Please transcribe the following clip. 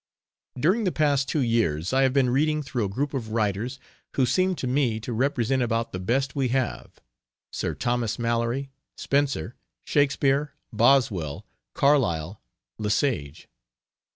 During the past two years I have been reading through a group of writers who seem to me to represent about the best we have Sir Thomas Malory, Spenser, Shakespeare, Boswell, Carlyle, Le Sage.